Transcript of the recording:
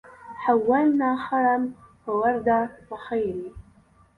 حولنا خرم وورد وخيري